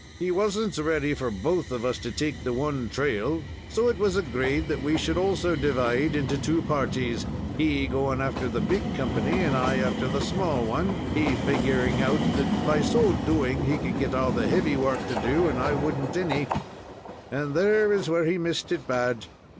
He wasn't ready for both of us to take the one trail, so it was agreed that we should also divide into two parties he going after the big company and I after the small one, he figuring out that, by so doing, he would get all the heavy work to do, and I would n't any, and there is where he missed it bad.